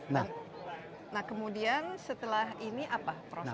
nah kemudian setelah ini apa prosesnya